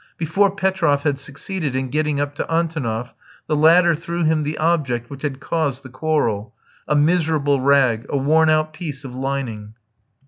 Before Petroff had succeeded in getting up to Antonoff, the latter threw him the object which had caused the quarrel a miserable rag, a worn out piece of lining.